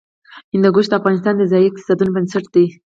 هندوکش د افغانستان د ځایي اقتصادونو بنسټ دی.